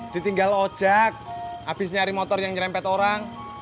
ditinggal ojak abis nyari motor yang nyerempet orang